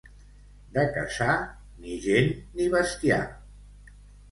De Cassà, ni gent ni bestiar.